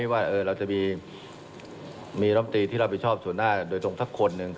ไม่ว่าเราจะมีรัฐมนตรีที่รับประชาชนชนหน้าโดยตรงสักคน